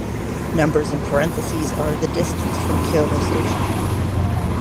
Numbers in parentheses are the distance from Kyoto Station.